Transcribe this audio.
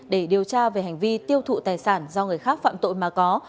để điều tra về hành vi tiêu thụ tài sản do người khác phạm tội mà có